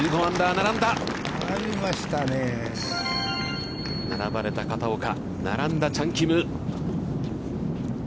並ばれた片岡、並んだチャン・キム。